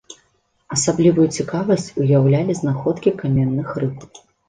Асаблівую цікавасць ўяўлялі знаходкі каменных рыб.